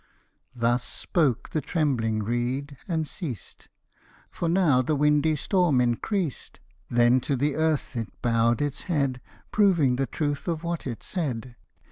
Thus spoke the trembling reed, and ceased ; For now the windy storm increased ; Then to the earth it bow'd its head, Proving the truth of what it said.